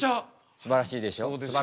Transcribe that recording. すばらしいでしょ。